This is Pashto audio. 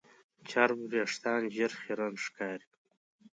چرب وېښتيان ژر خیرن ښکاري.